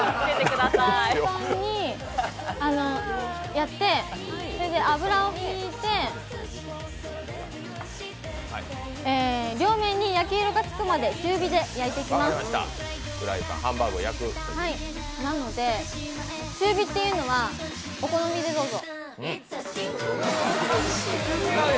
フライパンにあのやって、油を引いて両面に焼き色がつくまで中火で焼いていきますなので、中火っていうのはお好みでどうぞ。